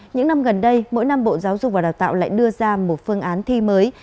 những năm gần đây mỗi năm bộ giáo dục và đào tạo lại đưa ra một phương án thi mới